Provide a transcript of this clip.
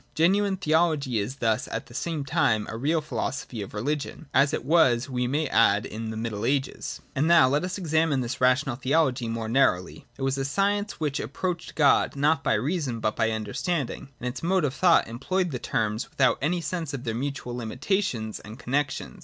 Genuine theology is thus at the same time a real philosophy of religion, as it was, we may add, in the Middle Ages. And now let us examine this rational theology more nar rowly. It was a science which approached God not by reason but by understanding, and, in its mode of thought, employed the terms vi?ithout any sense of their mutual limi tations and connexions.